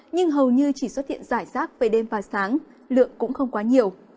nhưng hầu như chỉ xuất hiện rải rác về đêm và sáng lượng cũng không quá nhiều